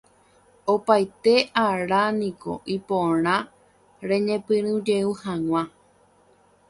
Opaite áraniko iporã reñepyrũjey hag̃ua